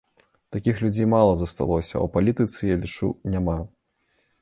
Такіх людзей мала засталося, а ў палітыцы, я лічу, няма.